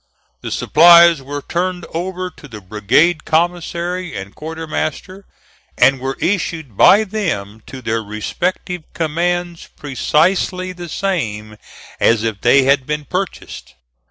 The supplies were turned over to the brigade commissary and quartermaster, and were issued by them to their respective commands precisely the same as if they had been purchased.